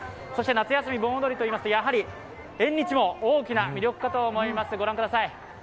夏休み、盆踊りといいますとやはり縁日も大きな魅力かと思います。